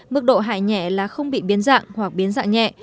mức độ hại nhẹ là không bị biến dạng hoặc biến dạng nhẹ